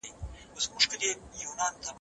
ماشومان زده کړه روانه ساتي.